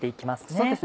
そうですね